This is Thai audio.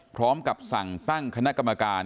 พร้อมกับสั่งตั้งคณะกรรมการ